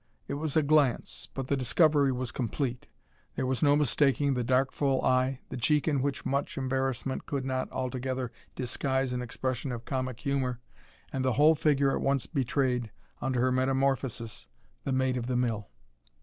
It was a glance, but the discovery was complete. There was no mistaking the dark full eye, the cheek in which much embarrassment could not altogether disguise an expression of comic humour, and the whole figure at once betrayed, under her metamorphosis, the Maid of the Mill.